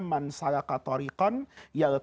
man salakatariqon yaltatun